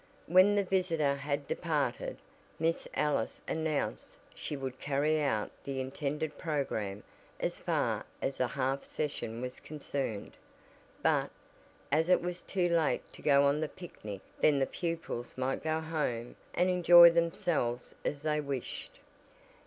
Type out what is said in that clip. When the visitor had departed, Miss Ellis announced she would carry out the intended program as far as a half session was concerned, but, as it was too late to go on the picnic then the pupils might go home and enjoy themselves as they wished.